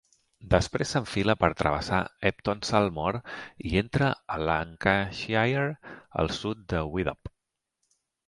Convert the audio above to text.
Després s'enfila per travessar Heptonstall Moor i entra a Lancashire al sud de Widdop.